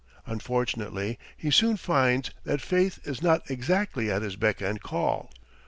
Unfortunately he soon finds that faith is not exactly at his beck and call.